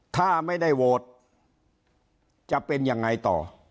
ถ้าไม่ได้โหวตจะเป็นยังไงต่อ